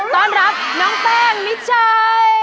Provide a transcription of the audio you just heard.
ต้อนรับน้องแป้งมิชัย